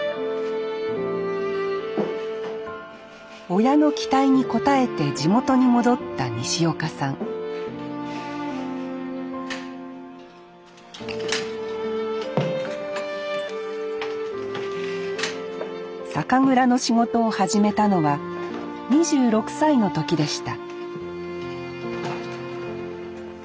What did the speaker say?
親の期待に応えて地元に戻った西岡さん酒蔵の仕事を始めたのは２６歳の時でした